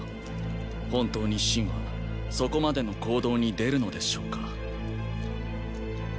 本当に秦はそこまでの行動に出るのでしょうか。